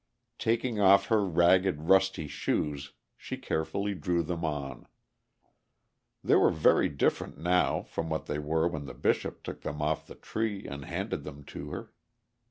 Taking off her ragged, rusty shoes, she carefully drew them on. They were very different now from what they were when the Bishop took them off the tree and handed them to her.